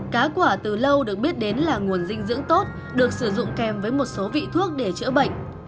cá quả từ lâu được biết đến là nguồn dinh dưỡng tốt được sử dụng kèm với một số vị thuốc để chữa bệnh